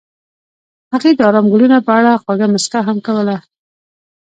هغې د آرام ګلونه په اړه خوږه موسکا هم وکړه.